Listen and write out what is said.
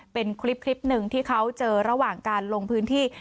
เป็นคลิปหนึ่งที่เขาเจอระหว่างการลงพื้นที่